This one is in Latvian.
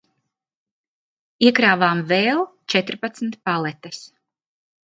Iekrāvām vēl četrpadsmit paletes.